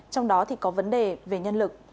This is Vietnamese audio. trong đó thì có vấn đề về nhân lực